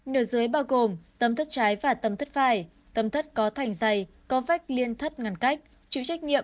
nửa dưới bao gồm tầm thất trái và tầm thất phải